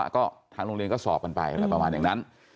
ใช่นี่ไงครับ